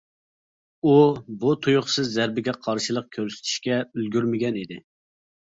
ئۇ، بۇ تۇيۇقسىز زەربىگە قارشىلىق كۆرسىتىشكە ئۈلگۈرمىگەنىدى.